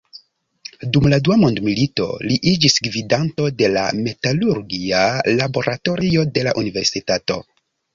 Dum la dua mondmilito, li iĝis gvidanto de la metalurgia laboratorio de la universitato.